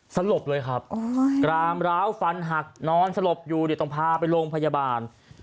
สลบเลยครับกรามร้าวฟันหักนอนสลบอยู่เนี่ยต้องพาไปโรงพยาบาล